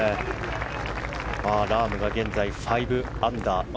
ラームが現在、５アンダー。